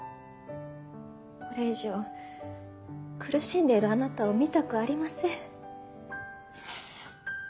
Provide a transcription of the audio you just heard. これ以上苦しんでいるあなたを見たくありません。